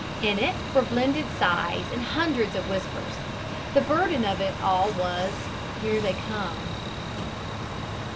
In it were blended sighs and hundreds of whispers. The burden of it all was: "Here they come."